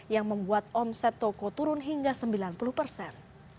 yang membuat omset toko turun hingga sembilan puluh persen